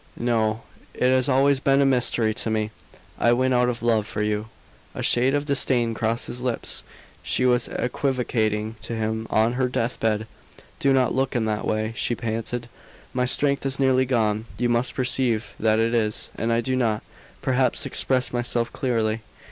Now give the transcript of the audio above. "No. It has always been a mystery to me." "I went out of love for you." A shade of disdain crossed his lips. She was equivocating to him on her death bed. "Do not look in that way," she panted. "My strength is nearly gone you must perceive that it is and I do not, perhaps, express myself clearly.